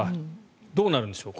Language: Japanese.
どうなるんでしょう。